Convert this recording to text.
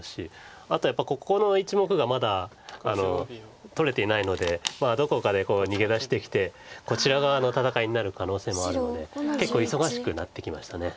あとやっぱりここの１目がまだ取れていないのでどこかで逃げ出してきてこちら側の戦いになる可能性もあるので結構忙しくなってきました。